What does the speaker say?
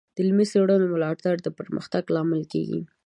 د علمي څیړنو ملاتړ د پرمختګ لامل کیږي.